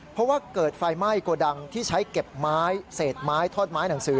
เพราะว่าเกิดไฟไหม้โกดังที่ใช้เก็บไม้เศษไม้ทอดไม้หนังสือ